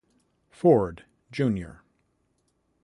Ford, Jr..